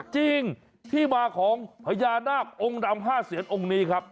จริงที่มาของพญานาคองค์ดำ๕เสียนองค์นี้ครับ